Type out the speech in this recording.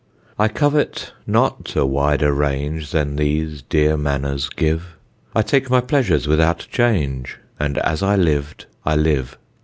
I covet not a wider range Than these dear manors give; I take my pleasures without change, And as I lived I live.